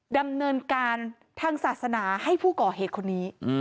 ดำเนินการทางศาสนาให้ผู้ก่อเหตุคนนี้